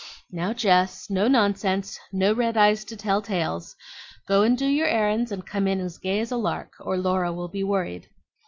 "Now, Jess, no nonsense, no red eyes to tell tales! Go and do your errands, and come in as gay as a lark, or Laura will be worried."